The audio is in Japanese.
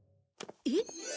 えっ？